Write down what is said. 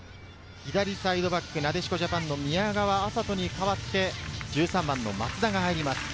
左サイドバック、なでしこジャパンの宮川麻都に代わって１３番・松田が入ります。